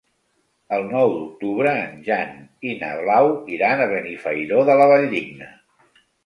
El nou d'octubre en Jan i na Blau iran a Benifairó de la Valldigna.